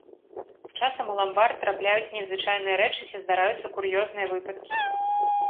Часам у ламбард трапляюць незвычайныя рэчы ці здараюцца кур'ёзныя выпадкі.